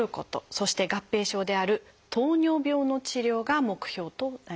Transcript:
そして合併症である糖尿病の治療が目標となります。